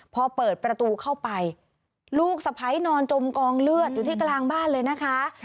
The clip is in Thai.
พอเปิดประตูเข้าไปลูกสะพ้ายนอนจมกองเลือดอยู่ที่กลางบ้านเลยนะคะ